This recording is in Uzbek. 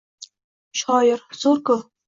— Shoir? Zo‘r-ku!